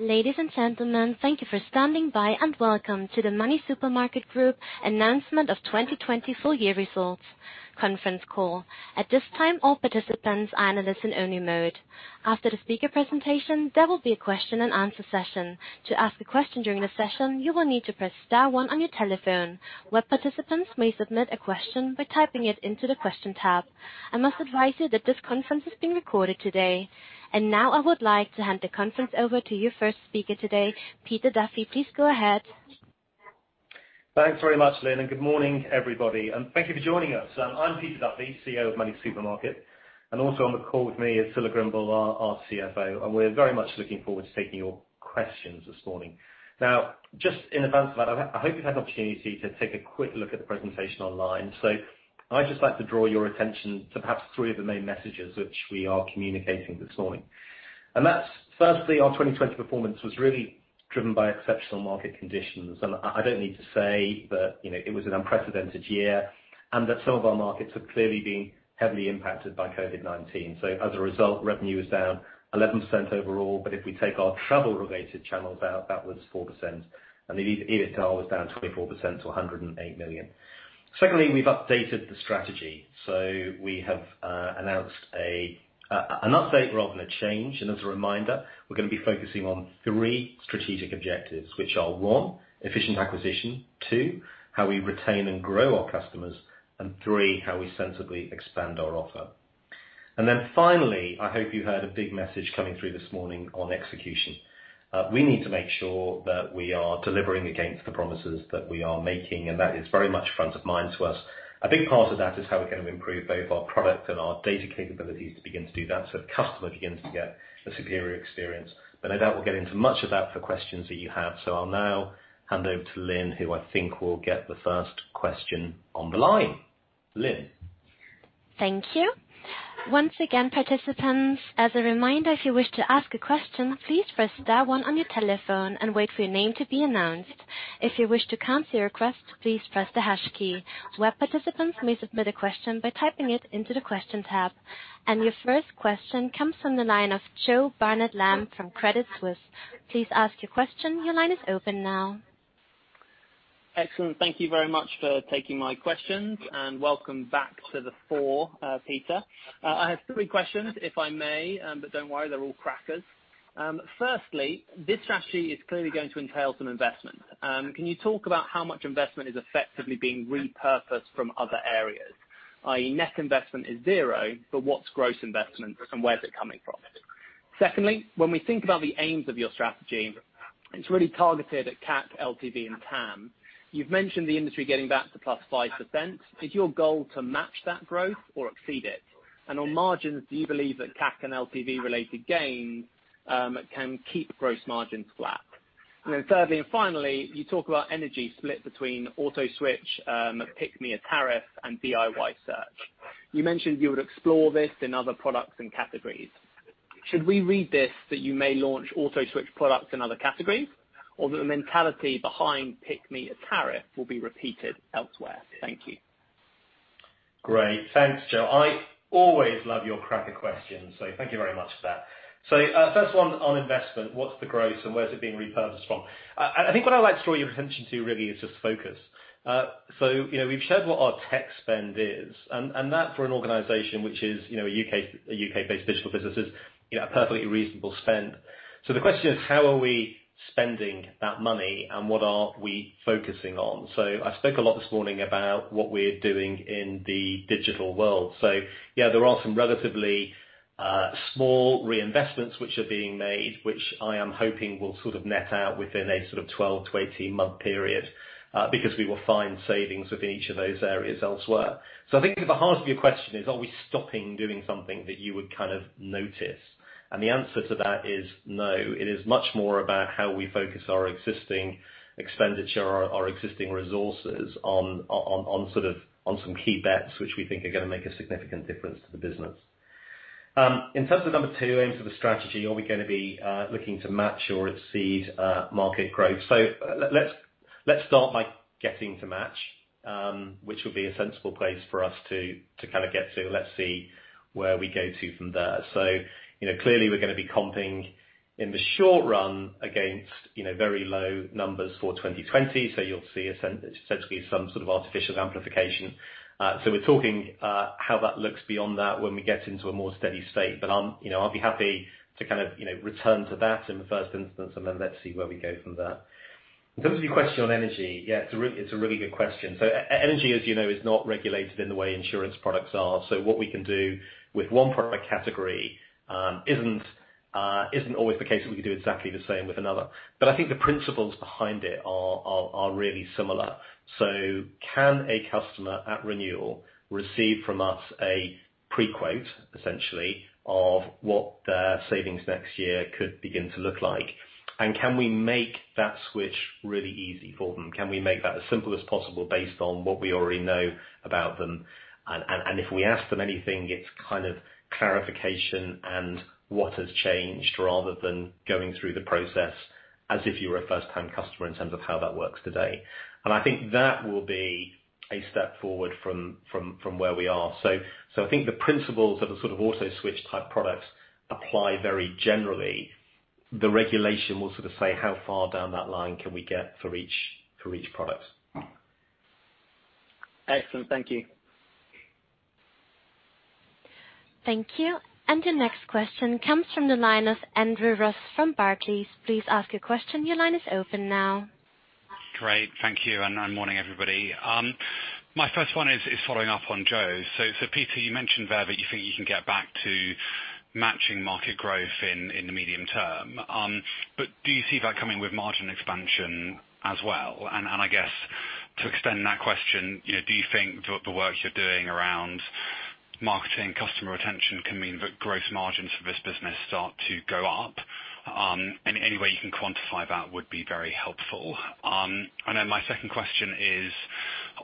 Ladies and gentlemen, thank you for standing by, and welcome to the MoneySuperMarket Group Announcement of 2020 Full Year Results Conference Call. At this time, all participants are in listen-only mode. After the speaker presentation, there will be a question-and-answer session. To ask a question during the session, you will need to press star one on your telephone. Web participants may submit a question by typing it into the question tab. I must advise you that this conference is being recorded today. Now I would like to hand the conference over to your first speaker today, Peter Duffy. Please go ahead. Thanks very much, Lynn. Good morning, everybody. Thank you for joining us. I'm Peter Duffy, CEO of MoneySuperMarket. Also on the call with me is Scilla Grimble, our CFO. We're very much looking forward to taking your questions this morning. Now, just in advance of that, I hope you've had opportunity to take a quick look at the presentation online. I'd just like to draw your attention to perhaps three of the main messages which we are communicating this morning. That's firstly, our 2020 performance was really driven by exceptional market conditions. I don't need to say that it was an unprecedented year and that some of our markets have clearly been heavily impacted by COVID-19. As a result, revenue is down 11% overall. If we take our travel-related channels out, that was 4%, and the EBITDA was down 24% to 108 million. Secondly, we've updated the strategy. We have announced an update rather than a change. As a reminder, we're going to be focusing on three strategic objectives, which are, one, efficient acquisition, two, how we retain and grow our customers, and three, how we sensibly expand our offer. Finally, I hope you heard a big message coming through this morning on execution. We need to make sure that we are delivering against the promises that we are making, and that is very much front of mind to us. A big part of that is how we're going to improve both our product and our data capabilities to begin to do that so the customer begins to get a superior experience. No doubt we'll get into much of that for questions that you have. I'll now hand over to Lynn, who I think will get the first question on the line. Lynn? Thank you. Once again, participants, as a reminder, if you wish to ask a question, please press star one on your telephone and wait for your name to be announced. If you wish to cancel your request, please press the hash key. Web participants may submit a question by typing it into the question tab. Your first question comes from the line of Jo Barnet-Lamb from Credit Suisse. Please ask your question. Your line is open now. Excellent. Thank you very much for taking my questions, and welcome back to the fore, Peter. I have three questions, if I may, but don't worry, they're all crackers. Firstly, this strategy is clearly going to entail some investment. Can you talk about how much investment is effectively being repurposed from other areas, i.e. net investment is zero, but what's gross investment and where is it coming from? Secondly, when we think about the aims of your strategy, it's really targeted at CAC, LTV, and TAM. You've mentioned the industry getting back to plus-5%. Is your goal to match that growth or exceed it? On margins, do you believe that CAC- and LTV-related gains can keep gross margins flat? Thirdly, and finally, you talk about energy split between auto-switch, Pick Me a Tariff, and DIY Search. You mentioned you would explore this in other products and categories. Should we read this that you may launch auto-switch products in other categories? That the mentality behind Pick Me a Tariff will be repeated elsewhere? Thank you. Great. Thanks, Jo. I always love your cracker questions, so thank you very much for that. First one on investment, what's the growth and where is it being repurposed from? I think what I'd like to draw your attention to really is just focus. We've shared what our tech spend is, and that for an organization which is a U.K.-based digital business is a perfectly reasonable spend. The question is, how are we spending that money and what are we focusing on? I spoke a lot this morning about what we're doing in the digital world. Yeah, there are some relatively small reinvestments which are being made, which I am hoping will sort of net out within a sort of 12-8-month period because we will find savings within each of those areas elsewhere. I think at the heart of your question is, are we stopping doing something that you would kind of notice? The answer to that is no. It is much more about how we focus our existing expenditure, our existing resources on some key bets, which we think are going to make a significant difference to the business. In terms of number two, in terms of the strategy, are we going to be looking to match or exceed market growth? Let's start by getting to match, which will be a sensible place for us to kind of get to. Let's see where we go to from there. Clearly we're going to be comping in the short-run against very low numbers for 2020. You'll see essentially some sort of artificial amplification. We're talking how that looks beyond that when we get into a more steady-state. I'll be happy to kind of return to that in the first instance, and then let's see where we go from there. In terms of your question on energy, yeah, it's a really good question. Energy, as you know, is not regulated in the way insurance products are. What we can do with one product category isn't always the case that we can do exactly the same with another. I think the principles behind it are really similar. Can a customer at renewal receive from us a pre-quote, essentially, of what their savings next year could begin to look like? Can we make that switch really easy for them? Can we make that as simple as possible based on what we already know about them? If we ask them anything, it's kind of clarification and what has changed rather than going through the process as if you were a first-time customer in terms of how that works today. I think that will be a step forward from where we are. I think the principles of the sort of auto-switch type products apply very generally. The regulation will sort of say how far down that line can we get for each product. Excellent. Thank you. Thank you. Your next question comes from the line of Andrew Ross from Barclays. Please ask your question. Your line is open now. Great. Thank you, and morning, everybody. My first one is following up on Jo's. Peter, you mentioned there that you think you can get back to matching market growth in the medium-term. Do you see that coming with margin expansion as well? I guess to extend that question, do you think the work you're doing around marketing customer retention can mean that gross margins for this business start to go up? Any way you can quantify that would be very helpful. My second question is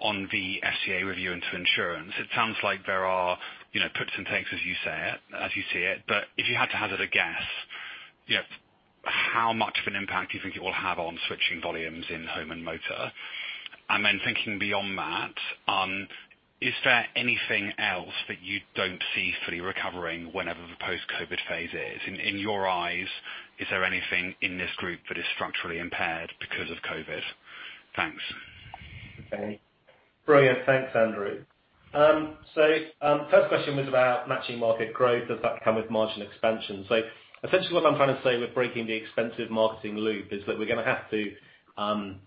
on the FCA review into insurance. It sounds like there are puts and takes as you see it, but if you had to hazard a guess, how much of an impact do you think it will have on switching volumes in home and motor? Thinking beyond that, is there anything else that you don't see fully recovering whenever the post-COVID phase is? In your eyes, is there anything in this group that is structurally impaired because of COVID? Thanks. Okay. Brilliant. Thanks, Andrew. First question was about matching market growth. Does that come with margin expansion? Essentially what I'm trying to say with breaking the expensive marketing loop is that we're going to have to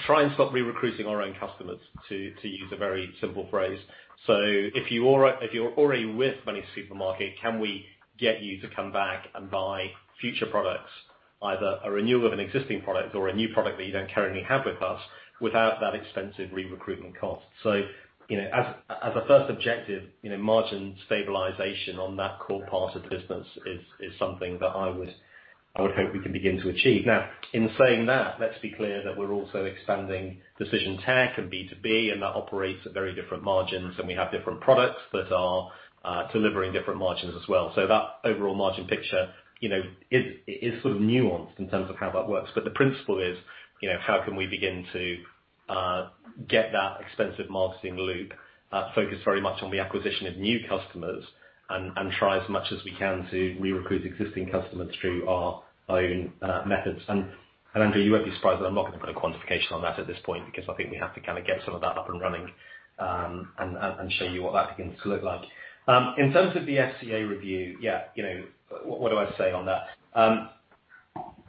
try and stop re-recruiting our own customers, to use a very simple phrase. If you're already with MoneySuperMarket, can we get you to come back and buy future products, either a renewal of an existing product or a new product that you don't currently have with us without that expensive re-recruitment cost. As a first objective, margin stabilization on that core part of the business is something that I would hope we can begin to achieve. Now, in saying that, let's be clear that we're also expanding Decision Tech and B2B, and that operates at very different margins, and we have different products that are delivering different margins as well. That overall margin picture is sort of nuanced in terms of how that works. The principle is how can we begin to get that expensive marketing loop focused very much on the acquisition of new customers and try as much as we can to re-recruit existing customers through our own methods. Andrew, you won't be surprised that I'm not going to put a quantification on that at this point, because I think we have to get some of that up-and-running and show you what that begins to look like. In terms of the FCA review, what do I say on that?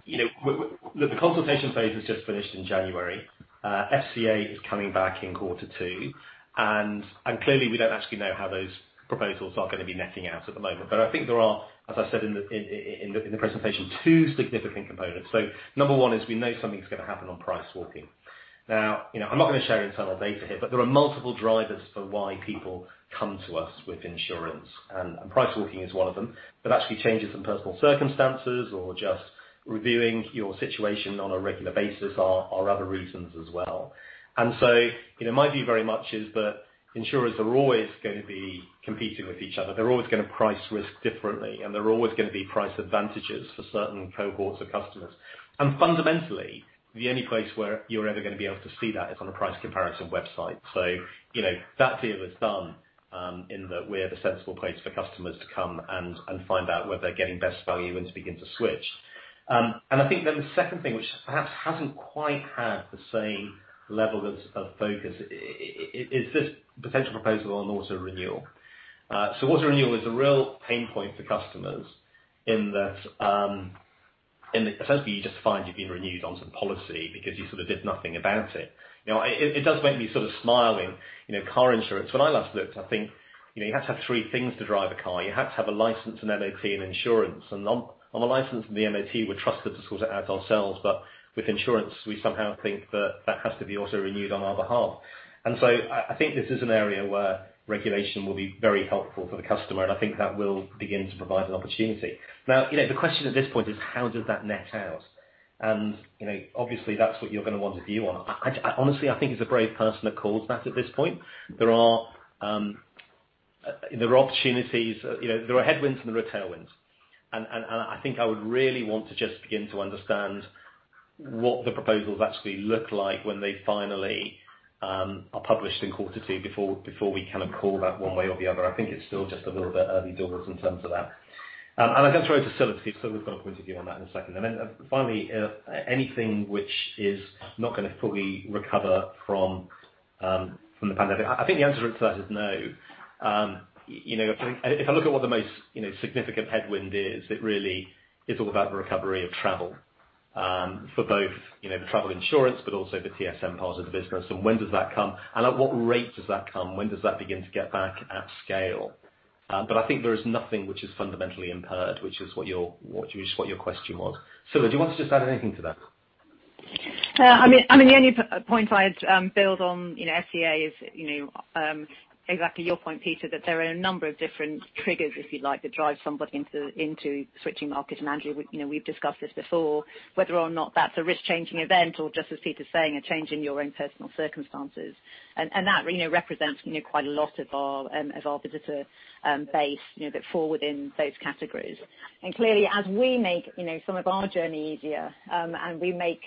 The consultation phase has just finished in January. FCA is coming back in quarter two, and clearly we don't actually know how those proposals are going to be netting out at the moment. I think there are, as I said in the presentation, two significant components. Number one is we know something's going to happen on price walking. I'm not going to share internal data here, but there are multiple drivers for why people come to us with insurance, and price walking is one of them. Actually changes in personal circumstances or just reviewing your situation on a regular basis are other reasons as well. My view very much is that insurers are always going to be competing with each other. They're always going to price risk differently, and there are always going to be price advantages for certain cohorts of customers. Fundamentally, the only place where you're ever going to be able to see that is on a price comparison website. That deal is done in that we're the sensible place for customers to come and find out where they're getting best value and to begin to switch. I think then the second thing, which perhaps hasn't quite had the same level of focus is this potential proposal on auto renewal. Auto renewal is a real pain point for customers in that essentially you just find you're being renewed on some policy because you sort of did nothing about it. Now, it does make me sort of smile in car insurance. When I last looked, I think you have to have three things to drive a car. You have to have a license, an MOT, and insurance. On the license and the MOT, we're trusted to sort it out ourselves. With insurance, we somehow think that that has to be also renewed on our behalf. I think this is an area where regulation will be very helpful for the customer, and I think that will begin to provide an opportunity. The question at this point is how does that net out? Obviously that's what you're going to want a view on. Honestly, I think it's a brave person that calls that at this point. There are headwinds and there are tailwinds, and I think I would really want to just begin to understand what the proposals actually look like when they finally are published in quarter two before we call that one way or the other. I think it's still just a little bit early doors in terms of that. I'm going to throw to Scilla, because Scilla's got a point of view on that in a second. Finally, anything which is not going to fully recover from the pandemic, I think the answer to that is no. If I look at what the most significant headwind is, it really is all about the recovery of travel for both the travel insurance, but also the TSM part of the business. When does that come, and at what rate does that come? When does that begin to get back at scale? I think there is nothing which is fundamentally impaired, which is what your question was. Scilla, do you want to just add anything to that? The only point I'd build on FCA is exactly your point, Peter, that there are a number of different triggers, if you like, that drive somebody into switching markets. Andrew, we've discussed this before, whether or not that's a risk-changing event or just as Peter's saying, a change in your own personal circumstances. That represents quite a lot of our visitor base that fall within those categories. Clearly, as we make some of our journey easier, and we make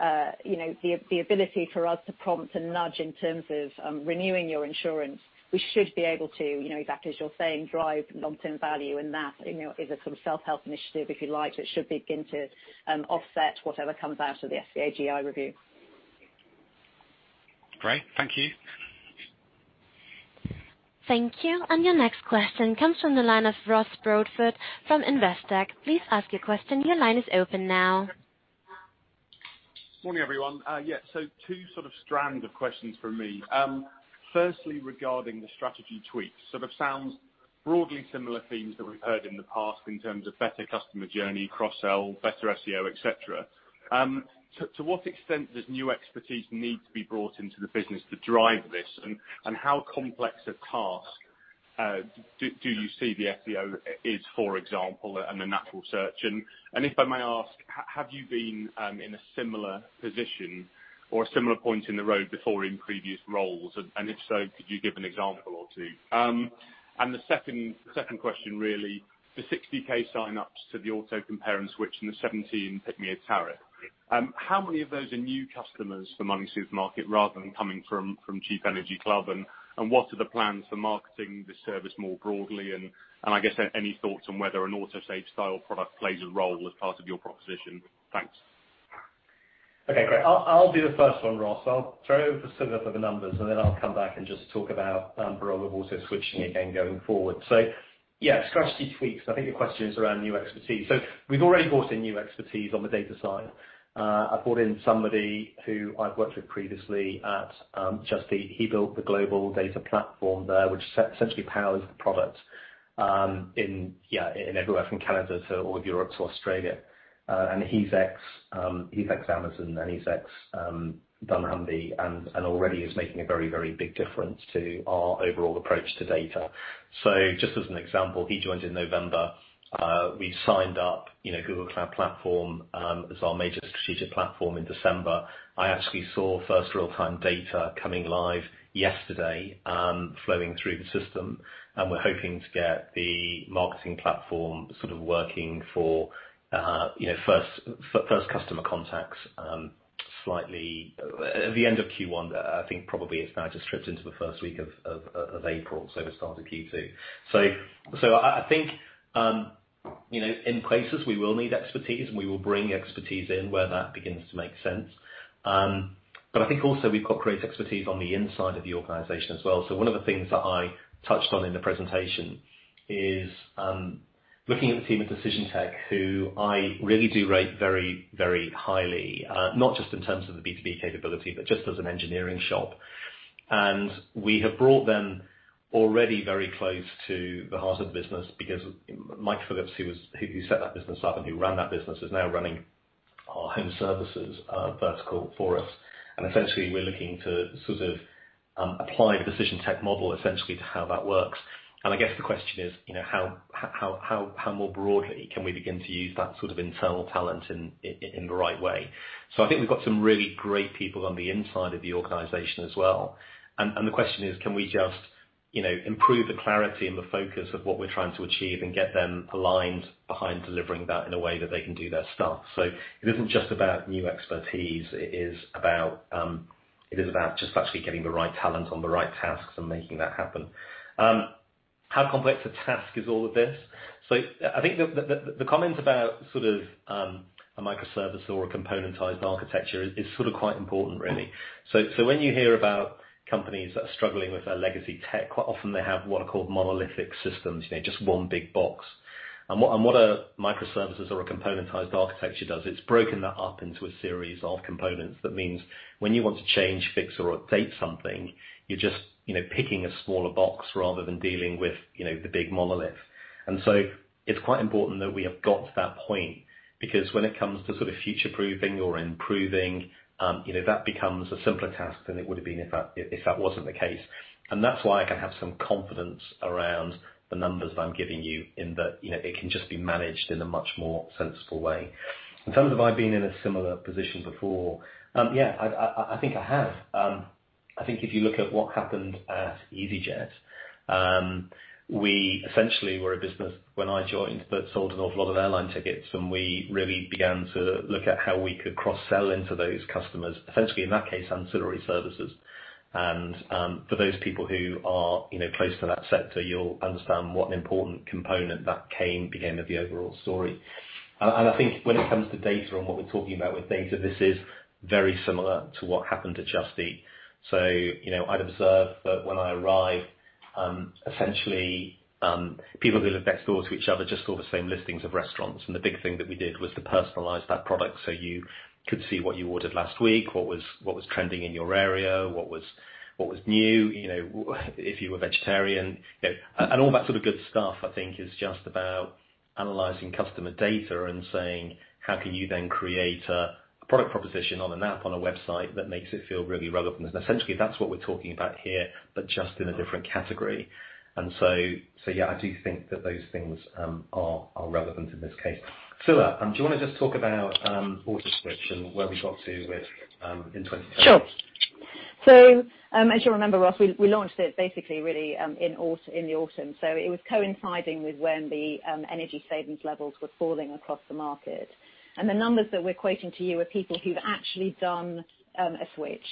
the ability for us to prompt and nudge in terms of renewing your insurance, we should be able to, exactly as you're saying, drive long-term value. That is a sort of self-help initiative, if you like, that should begin to offset whatever comes out of the FCA GI review. Great. Thank you. Thank you. Your next question comes from the line of Ross Broadfoot from Investec. Please ask your question. Your line is open now. Morning, everyone. Yeah. Two sort of strand of questions from me. Firstly, regarding the strategy tweaks. Sort of sounds broadly similar themes that we've heard in the past in terms of better customer journey, cross-sell, better SEO, et cetera. To what extent does new expertise need to be brought into the business to drive this? How complex a task do you see the SEO is, for example, and the natural search? If I may ask, have you been in a similar position or a similar point in the road before in previous roles? If so, could you give an example or two? The second question really, the 60,000 sign-ups to the auto compare-and-switch and the 17 Pick Me a Tariff. How many of those are new customers for MoneySuperMarket rather than coming from Cheap Energy Club? What are the plans for marketing this service more broadly? I guess, any thoughts on whether an Autosave style product plays a role as part of your proposition? Thanks. Okay, great. I'll do the first one, Ross. I'll throw over to Philippa for the numbers, and then I'll come back and just talk about the role of auto-switch again going forward. Yeah, strategy tweaks, I think your question is around new expertise. We've already brought in new expertise on the data side. I've brought in somebody who I've worked with previously at Just Eat. He built the global data platform there, which essentially powers the product in everywhere from Canada to all of Europe to Australia. He's ex-Amazon, and he's ex-dunnhumby, and already is making a very big difference to our overall approach to data. Just as an example, he joined in November. We signed up Google Cloud Platform as our major strategic platform in December. I actually saw first real-time data coming live yesterday, flowing through the system. We're hoping to get the marketing platform sort of working for first customer contacts slightly at the end of Q1. I think probably it's now just tripped into the first week of April, so the start of Q2. I think in places we will need expertise, and we will bring expertise in where that begins to make sense. I think also we've got great expertise on the inside of the organization as well. One of the things that I touched on in the presentation is looking at the team at Decision Tech, who I really do rate very highly, not just in terms of the B2B capability, but just as an engineering shop. We have brought them already very close to the heart of the business because Michael Phillips, who set that business up and who ran that business, is now running our home services vertical for us. Essentially, we're looking to sort of apply the Decision Tech model essentially to how that works. I guess the question is, how more broadly can we begin to use that sort of internal talent in the right way? I think we've got some really great people on the inside of the organization as well. The question is, can we just improve the clarity and the focus of what we're trying to achieve and get them aligned behind delivering that in a way that they can do their stuff? It isn't just about new expertise. It is about just actually getting the right talent on the right tasks and making that happen. How complex a task is all of this? I think the comment about sort of a micro-service or a componentized architecture is sort of quite important, really. When you hear about companies that are struggling with their legacy tech, quite often they have what are called monolithic systems. Just one big box. What a micro-services or a componentized architecture does, it's broken that up into a series of components. That means when you want to change, fix, or update something, you're just picking a smaller box rather than dealing with the big monolith. It's quite important that we have got to that point, because when it comes to sort of future-proofing or improving, that becomes a simpler task than it would have been if that wasn't the case. That's why I can have some confidence around the numbers that I'm giving you in that it can just be managed in a much more sensible way. In terms of, have I been in a similar position before? Yeah, I think I have. I think if you look at what happened at easyJet, we essentially were a business when I joined that sold an awful lot of airline tickets. We really began to look at how we could cross-sell into those customers, essentially in that case, ancillary services. For those people who are close to that sector, you'll understand what an important component that became of the overall story. I think when it comes to data and what we're talking about with data, this is very similar to what happened at Just Eat. I'd observe that when I arrived, essentially, people who lived next door to each other just saw the same listings of restaurants. The big thing that we did was to personalize that product so you could see what you ordered last week, what was trending in your area, what was new, if you were vegetarian. All that sort of good stuff I think is just about analyzing customer data and saying, how can you then create a product proposition on an app, on a website that makes it feel really relevant? Essentially, that's what we're talking about here, but just in a different category. Yeah, I do think that those things are relevant in this case. Philippa, do you want to just talk about auto-switch and where we got to in 2020? Sure. As you'll remember, Ross, we launched it basically really in the autumn. It was coinciding with when the energy savings levels were falling across the market. The numbers that we're quoting to you are people who've actually done a switch.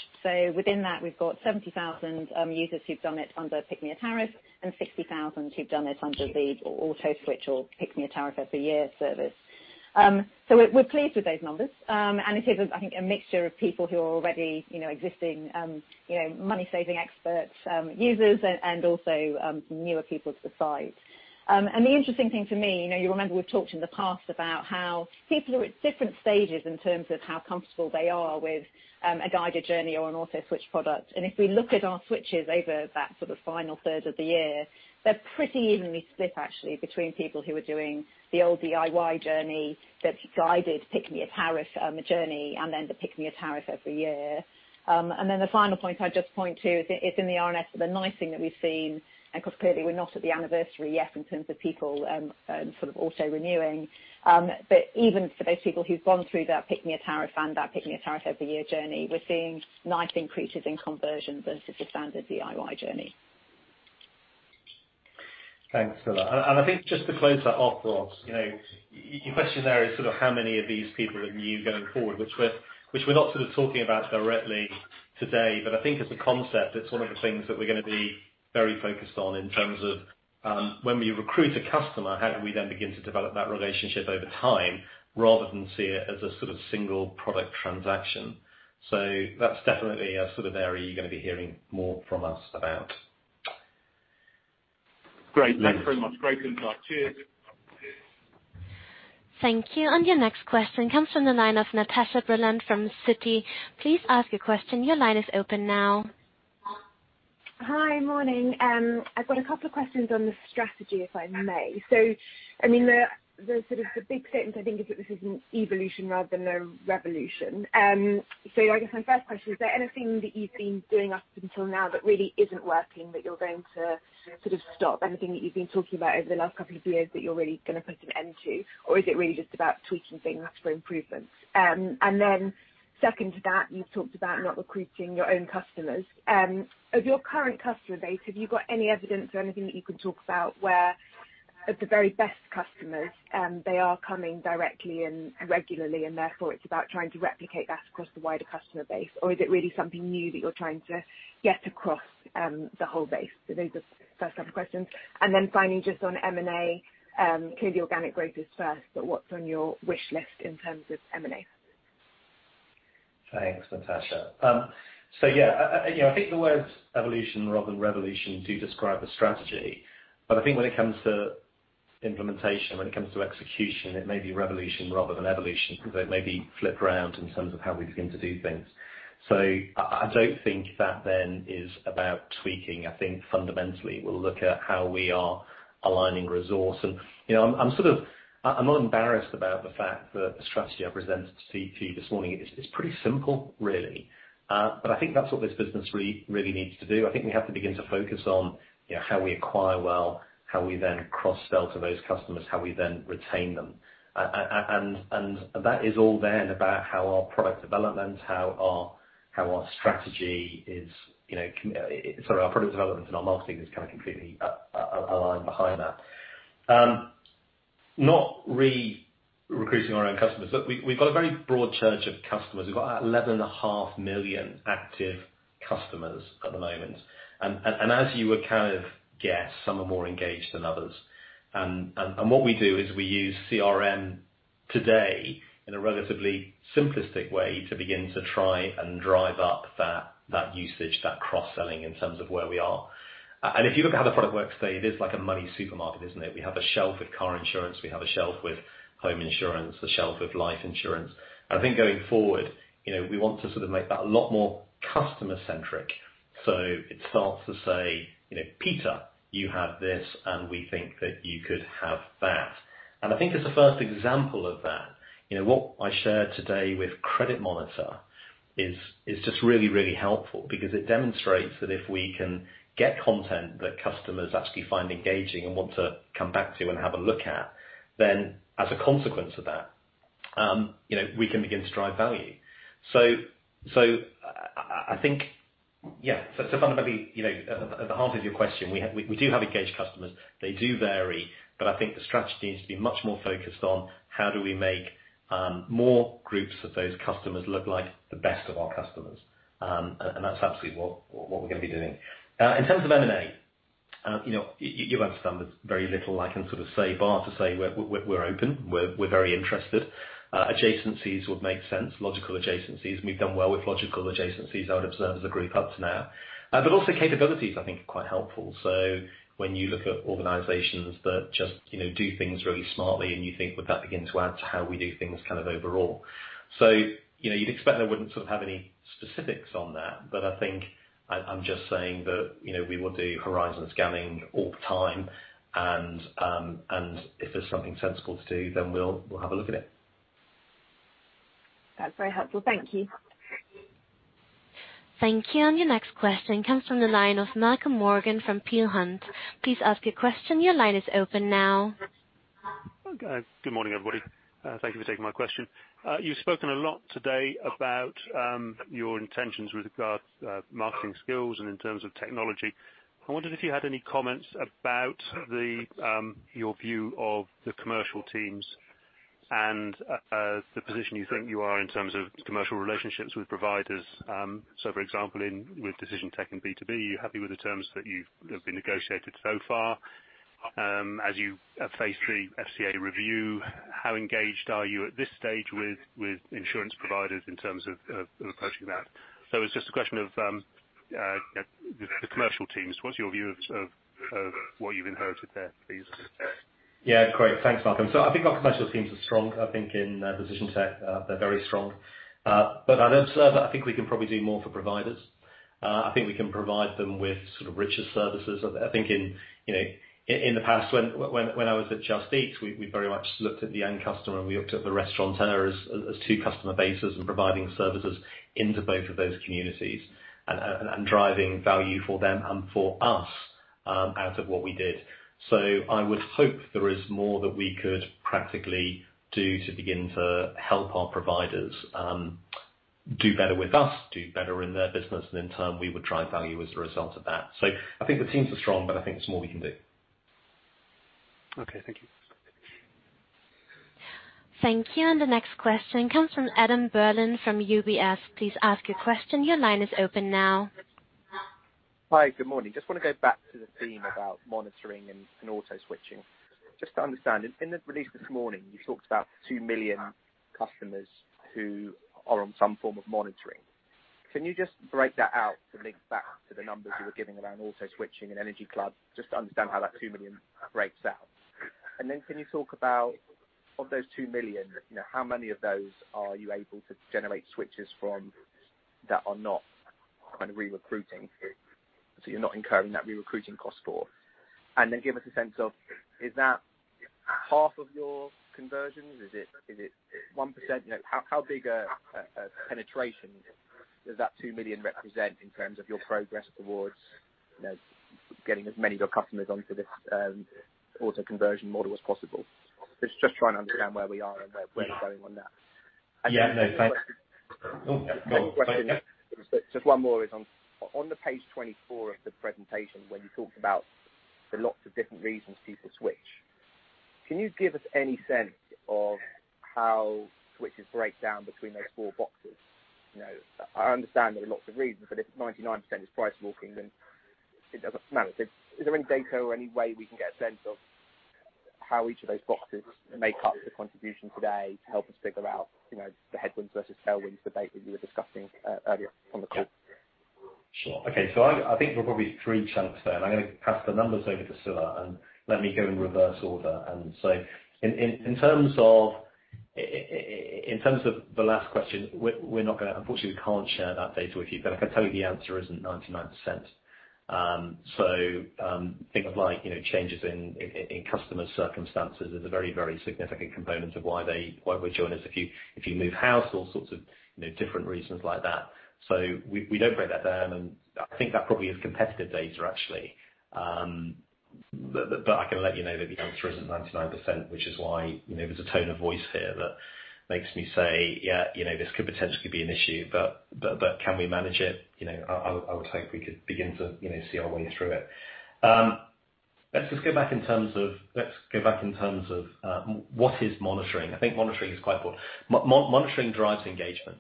Within that, we've got 70,000 users who've done it under Pick Me a Tariff and 60,000 who've done it under the auto-switch or Pick Me a Tariff Every Year service. We're pleased with those numbers. It is, I think, a mixture of people who are already existing MoneySavingExpert users, and also newer people to the site. The interesting thing to me, you remember we've talked in the past about how people are at different stages in terms of how comfortable they are with a guided journey or an auto-switch product. If we look at our switches over that sort of final third of the year, they're pretty evenly split, actually, between people who were doing the old DIY journey, the guided Pick Me a Tariff Journey, and then the Pick Me a Tariff Every Year. The final point I'd just point to is in the RNS, the nice thing that we've seen, and because clearly we're not at the anniversary yet in terms of people sort of auto-renewing. Even for those people who've gone through that Pick Me a Tariff and that Pick Me a Tariff Every Year journey, we're seeing nice increases in conversions versus the standard DIY journey. Thanks, Scilla. I think just to close that off, your question there is sort of how many of these people are new going forward, which we're not sort of talking about directly today. I think as a concept, it's one of the things that we're going to be very focused on in terms of when we recruit a customer, how do we then begin to develop that relationship over time rather than see it as a sort of single product transaction. That's definitely a sort of area you're going to be hearing more from us about. Great. Thanks very much. Great insight. Cheers. Thank you. Your next question comes from the line of Natasha Brilliant from Citi. Please ask your question. Your line is open now. Hi. Morning. I've got a couple of questions on the strategy, if I may. The big sentence I think is that this is an evolution rather than a revolution. I guess my first question, is there anything that you've been doing up until now that really isn't working that you're going to sort of stop? Anything that you've been talking about over the last couple of years that you're really going to put an end to, or is it really just about tweaking things for improvements? Then second to that, you talked about not recruiting your own customers. Of your current customer base, have you got any evidence or anything that you can talk about where the very best customers, they are coming directly and regularly, and therefore it's about trying to replicate that across the wider customer base? Is it really something new that you're trying to get across the whole base? Those are the first couple questions. Finally, just on M&A, clearly organic growth is first, but what's on your wish list in terms of M&A? Thanks, Natasha. Yeah, I think the words evolution rather than revolution do describe the strategy. I think when it comes to implementation, when it comes to execution, it may be revolution rather than evolution, because it may be flipped around in terms of how we begin to do things. I don't think that then is about tweaking. I think fundamentally, we'll look at how we are aligning resource. I'm not embarrassed about the fact that the strategy I presented to you this morning is pretty simple, really. I think that's what this business really needs to do. I think we have to begin to focus on how we acquire well, how we then cross-sell to those customers, how we then retain them. That is all then about how our product development and our marketing is kind of completely aligned behind that. Not re-recruiting our own customers. Look, we've got a very broad church of customers. We've got 11.5 million active customers at the moment. As you would kind of guess, some are more engaged than others. What we do is we use CRM today in a relatively simplistic way to begin to try and drive up that usage, that cross-selling in terms of where we are. If you look at how the product works today, it is like a MoneySuperMarket, isn't it? We have a shelf with car insurance. We have a shelf with home insurance, a shelf with life insurance. I think going forward, we want to sort of make that a lot more customer centric. It starts to say, "Peter, you have this, and we think that you could have that." I think as the first example of that, what I shared today with Credit Monitor is just really helpful because it demonstrates that if we can get content that customers actually find engaging and want to come back to and have a look at, then as a consequence of that, we can begin to drive value. I think, yeah. Fundamentally, at the heart of your question, we do have engaged customers. They do vary, but I think the strategy needs to be much more focused on how do we make more groups of those customers look like the best of our customers. That's absolutely what we're going to be doing. In terms of M&A, you'll understand there's very little I can sort of say bar to say we're open. We're very interested. Adjacencies would make sense, logical adjacencies, and we've done well with logical adjacencies I would observe as a group up to now. Also capabilities I think are quite helpful. When you look at organizations that just do things really smartly and you think, would that begin to add to how we do things kind of overall? You'd expect I wouldn't sort of have any specifics on that, but I think I'm just saying that we will do horizon scanning all the time, and if there's something sensible to do, then we'll have a look at it. That's very helpful. Thank you. Thank you. Your next question comes from the line of Malcolm Morgan from Peel Hunt. Good morning, everybody. Thank you for taking my question. You've spoken a lot today about your intentions with regards marketing skills and in terms of technology. I wondered if you had any comments about your view of the commercial teams and the position you think you are in terms of commercial relationships with providers. For example, with Decision Tech and B2B, are you happy with the terms that have been negotiated so far? As you have phase 3 FCA review, how engaged are you at this stage with insurance providers in terms of approaching that? It's just a question of the commercial teams. What's your view of what you've inherited there, please? Yeah. Great. Thanks, Malcolm. I think our commercial teams are strong. I think in Decision Tech they're very strong. I think we can probably do more for providers. I think we can provide them with sort of richer services. I think in the past when I was at Just Eat, we very much looked at the end customer, and we looked at the restaurateurs as two customer bases and providing services into both of those communities and driving value for them and for us out of what we did. I would hope there is more that we could practically do to begin to help our providers do better with us, do better in their business, and in turn, we would drive value as a result of that. I think the teams are strong, but I think there's more we can do. Okay. Thank you. Thank you. The next question comes from Adam Berlin from UBS. Please ask your question. Your line is open now. Hi. Good morning. Just want to go back to the theme about monitoring and auto-switching. Just to understand. In the release this morning, you talked about 2 million customers who are on some form of monitoring. Can you just break that out to link back to the numbers you were giving around auto-switching and Energy Monitor, just to understand how that 2 million breaks out? Can you talk about of those 2 million, how many of those are you able to generate switches from that are not kind of re-recruiting, so you're not incurring that re-recruiting cost for? Give us a sense of, is that half of your conversions? Is it 1%? How big a penetration does that 2 million represent in terms of your progress towards getting as many of your customers onto this auto conversion model as possible? It's just trying to understand where we are and where you're going on that. Yeah, no. Just one more is on the page 24 of the presentation, when you talked about the lots of different reasons people switch. Can you give us any sense of how switches break down between those four boxes? I understand there are lots of reasons, but if 99% is price walking, then it doesn't matter. Is there any data or Anyway we can get a sense of how each of those boxes make up the contribution today to help us figure out the headwinds versus tailwinds debate that you were discussing earlier on the call? Sure. Okay. I think there are probably three chunks there, and I'm going to pass the numbers over to Scilla and let me go in reverse order. In terms of the last question, unfortunately, we can't share that data with you. I can tell you the answer isn't 99%. Things like changes in customer circumstances is a very significant component of why they would join us if you move house, all sorts of different reasons like that. We don't break that down, and I think that probably is competitive data, actually. I can let you know that the answer isn't 99%, which is why there's a tone of voice here that makes me say, "Yeah, this could potentially be an issue, but can we manage it?" I would hope we could begin to see our way through it. Let's go back in terms of what is monitoring. I think monitoring is quite important. Monitoring drives engagement.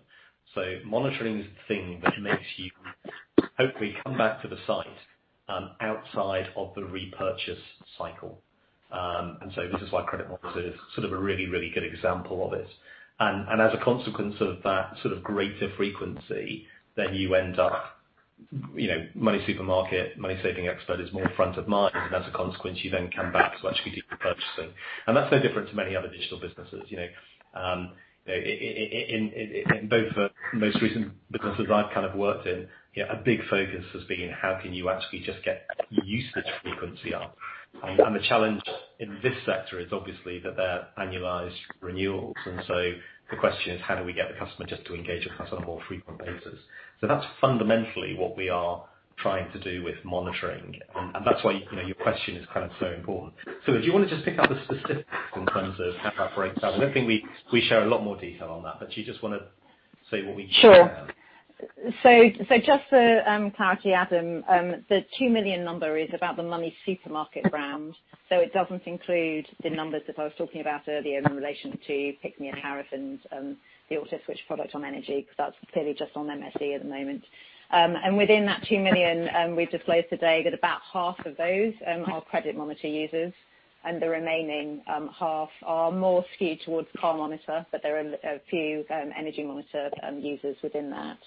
Monitoring is the thing that makes you hopefully come back to the site outside of the repurchase cycle. This is why Credit Monitor is sort of a really, really good example of it. As a consequence of that sort of greater frequency, then you end up MoneySuperMarket, MoneySavingExpert is more front of mind, and as a consequence, you then come back to actually do your purchasing. That's no different to many other digital businesses. In both the most recent businesses I've kind of worked in, a big focus has been how can you actually just get usage frequency up? The challenge in this sector is obviously that they're annualized renewals. The question is how do we get the customer just to engage with us on a more frequent basis? That's fundamentally what we are trying to do with monitoring, and that's why your question is kind of so important. Scilla, do you want to just pick up the specifics in terms of how that breaks down? I don't think we share a lot more detail on that, but do you just want to say? Sure. Just for clarity, Adam the 2 million number is about the MoneySuperMarket brand. It doesn't include the numbers that I was talking about earlier in relation to Pick Me a Tariff and the auto-switch product on energy, because that's clearly just on MSE at the moment. Within that 2 million we disclosed today that about half of those are Credit Monitor users, and the remaining half are more skewed towards Car Monitor, but there are a few Energy Monitor users within that.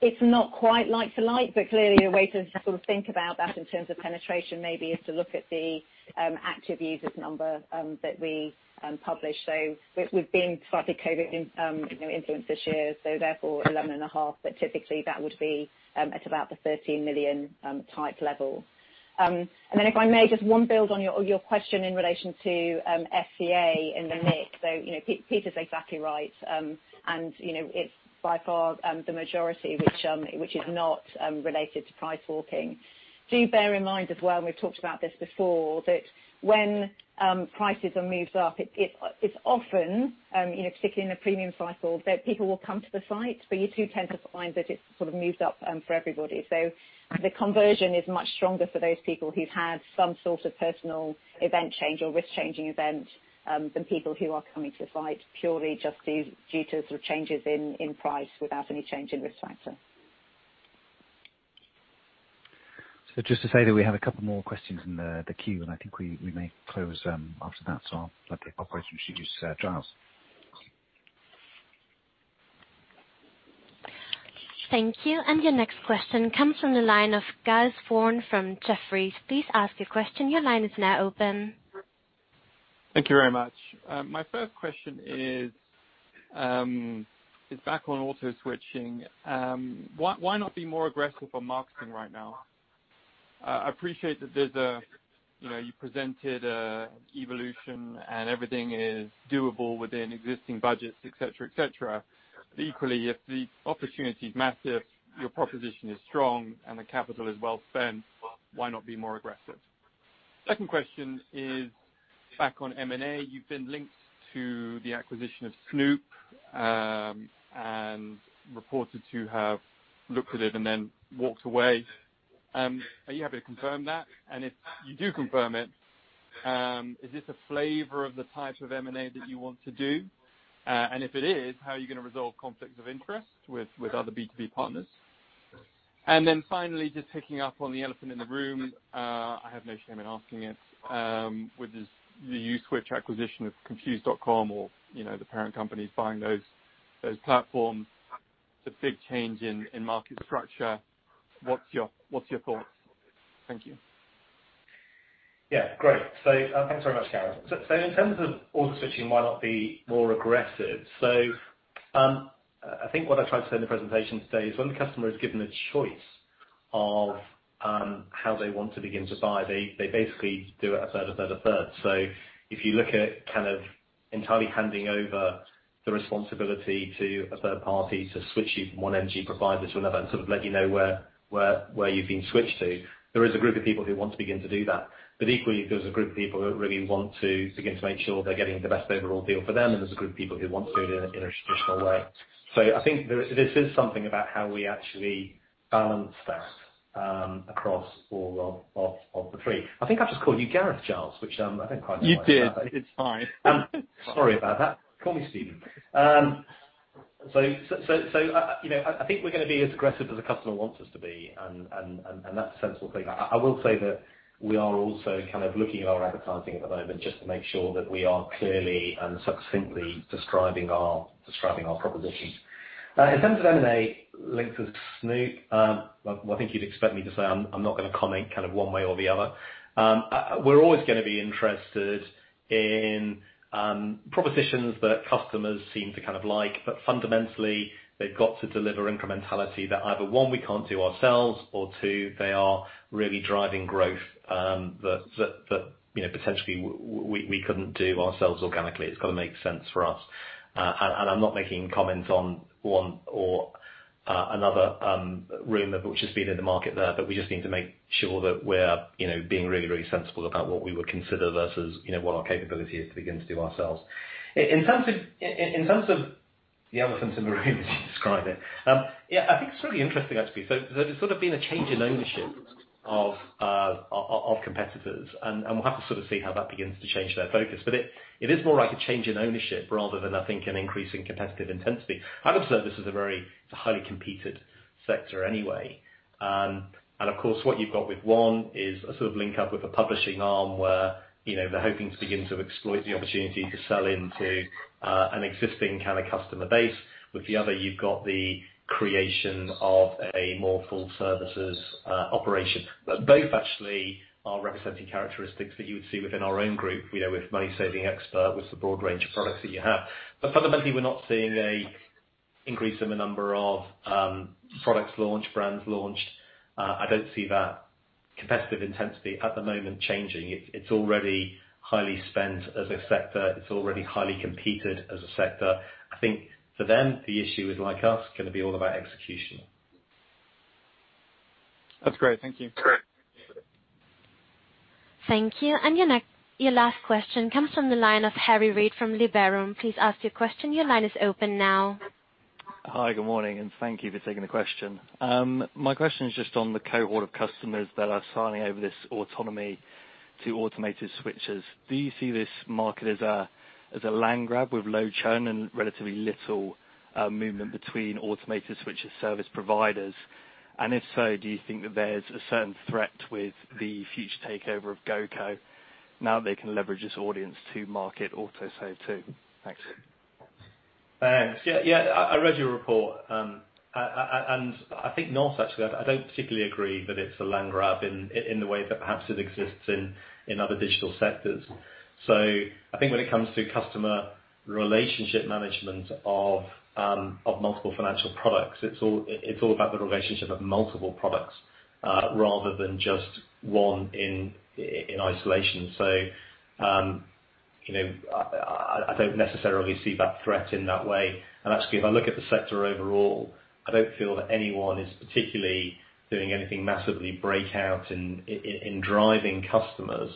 It's not quite like for like, but clearly a way to sort of think about that in terms of penetration maybe is to look at the active users number that we publish. We've been slightly COVID influenced this year, therefore 11.5, but typically that would be at about the 13 million type level. If I may, just one build on your question in relation to FCA in the mix. Peter's exactly right. It's by far the majority which is not related to price walking. Do bear in mind as well, and we've talked about this before, that when prices are moved up, it's often, particularly in the premium cycle, that people will come to the site, but you do tend to find that it sort of moves up for everybody. The conversion is much stronger for those people who've had some sort of personal event change or risk changing event than people who are coming to the site purely just due to sort of changes in price without any change in risk factor. Just to say that we have a couple more questions in the queue, and I think we may close after that. I'll take operations from you, Giles. Thank you. Your next question comes from the line of Gareth Vaughan from Jefferies. Please ask your question. Your line is now open. Thank you very much. My first question is back on auto-switching. Why not be more aggressive on marketing right now? I appreciate that you presented evolution and everything is doable within existing budgets, et cetera. Equally, if the opportunity is massive, your proposition is strong, and the capital is well spent, why not be more aggressive? Second question is back on M&A. You've been linked to the acquisition of Snoop, and reported to have looked at it and then walked away. Are you able to confirm that? If you do confirm it, is this a flavor of the type of M&A that you want to do? If it is, how are you going to resolve conflicts of interest with other B2B partners? Finally, just picking up on the elephant in the room, I have no shame in asking it, which is the Uswitch acquisition of Confused.com or the parent company buying those platforms, it's a big change in market structure. What's your thought? Thank you. Yeah. Great. Thanks very much, Gareth. In terms of auto-switching, why not be more aggressive? I think what I tried to say in the presentation today is when the customer is given a choice of how they want to begin to buy, they basically do it a third, a third, a third. If you look at entirely handing over the responsibility to a third party to switch you from one energy provider to another and sort of let you know where you've been switched to, there is a group of people who want to begin to do that. Equally, there's a group of people who really want to begin to make sure they're getting the best overall deal for them, and there's a group of people who want to do it in a traditional way. I think this is something about how we actually balance that across all of the three. I think I've just called you Gareth, Giles, which I don't quite know why. You did. It's fine. Sorry about that. Call me Steven. I think we're going to be as aggressive as the customer wants us to be, and that's sensible thing. I will say that we are also looking at our advertising at the moment just to make sure that we are clearly and succinctly describing our propositions. In terms of M&A links with Snoop, I think you'd expect me to say I'm not going to comment one way or the other. We're always going to be interested in propositions that customers seem to like, but fundamentally, they've got to deliver incrementality that either, one, we can't do ourselves, or two, they are really driving growth that potentially we couldn't do ourselves organically. It's got to make sense for us. I'm not making comments on one or another rumor which has been in the market there, but we just need to make sure that we're being really sensible about what we would consider versus what our capability is to begin to do ourselves. In terms of the elephant in the room as you describe it. Yeah, I think it's really interesting, actually. There's sort of been a change in ownership of competitors, and we'll have to see how that begins to change their focus. It is more like a change in ownership rather than I think an increase in competitive intensity. I'd observe this is a very highly competed sector anyway. Of course, what you've got with one is a sort of link up with a publishing arm where they're hoping to begin to exploit the opportunity to sell into an existing customer base. With the other, you've got the creation of a more full services operation. Both actually are representing characteristics that you would see within our own group with MoneySavingExpert, with the broad range of products that you have. Fundamentally, we're not seeing an increase in the number of products launched, brands launched. I don't see that competitive intensity at the moment changing. It's already highly spent as a sector. It's already highly competed as a sector. I think for them, the issue is like us, going to be all about execution. That's great. Thank you. Great. Thank you. Your last question comes from the line of Harry Reid from Liberum. Please ask your question. Your line is open now. Hi. Good morning, and thank you for taking the question. My question is just on the cohort of customers that are signing over this autonomy to automated switchers. Do you see this market as a land grab with low churn and relatively little movement between automated switcher service providers? If so, do you think that there's a certain threat with the future takeover of GoCo now that they can leverage this audience to market Autosave too? Thanks. Thanks. Yeah, I read your report. I think not actually. I don't particularly agree that it's a land grab in the way that perhaps it exists in other digital sectors. I think when it comes to customer relationship management of multiple financial products, it's all about the relationship of multiple products rather than just one in isolation. I don't necessarily see that threat in that way. Actually, if I look at the sector overall, I don't feel that anyone is particularly doing anything massively breakout in driving customers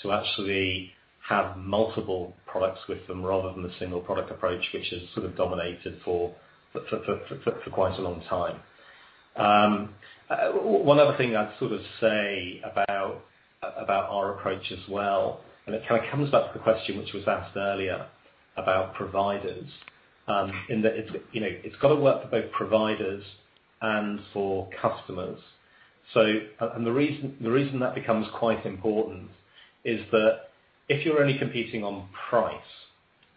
to actually have multiple products with them rather than a single product approach which has sort of dominated for quite a long time. One other thing I'd sort of say about our approach as well, it kind of comes back to the question which was asked earlier about providers. In that it's got to work for both providers and for customers. The reason that becomes quite important is that if you're only competing on price,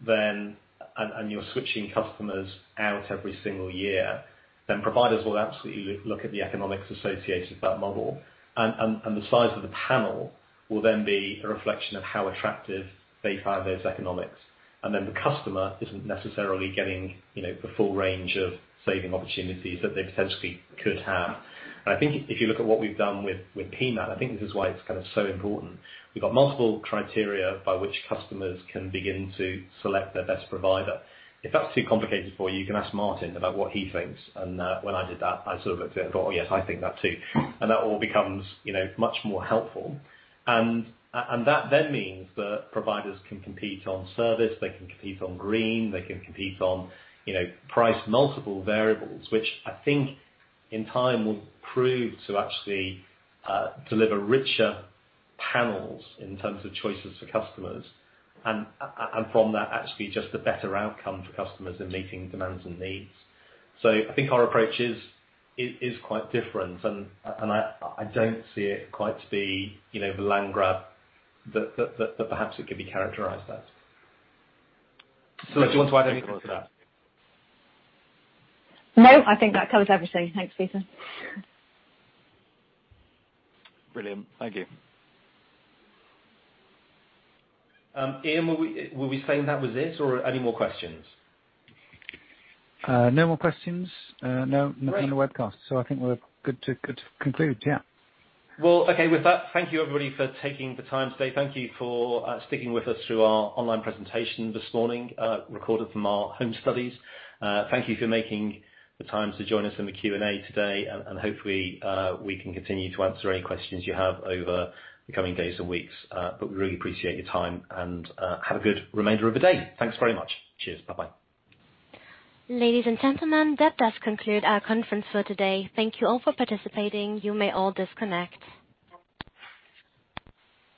and you're switching customers out every single year, then providers will absolutely look at the economics associated with that model. The size of the panel will then be a reflection of how attractive they find those economics. Then the customer isn't necessarily getting the full range of saving opportunities that they potentially could have. I think if you look at what we've done with PMAT, I think this is why it's so important. We've got multiple criteria by which customers can begin to select their best provider. If that's too complicated for you can ask Martin about what he thinks. When I did that, I sort of looked at it and thought, "Oh yes, I think that too." That all becomes much more helpful. That then means that providers can compete on service, they can compete on green, they can compete on price, multiple variables. Which I think in time will prove to actually deliver richer panels in terms of choices for customers, and from that actually just a better outcome for customers in meeting demands and needs. I think our approach is quite different, and I don't see it quite to be the land grab that perhaps it could be characterized as. Do you want to add anything else to that? No, I think that covers everything. Thanks, Peter. Brilliant. Thank you. Ian, were we saying that was it, or any more questions? No more questions. Great Not on the webcast, so I think we're good to conclude, yeah. Well, okay. With that, thank you everybody for taking the time today. Thank you for sticking with us through our online presentation this morning, recorded from our home studies. Thank you for making the time to join us in the Q&A today, and hopefully, we can continue to answer any questions you have over the coming days and weeks. We really appreciate your time, and have a good remainder of the day. Thanks very much. Cheers. Bye-bye. Ladies and gentlemen, that does conclude our conference for today. Thank you all for participating. You may all disconnect.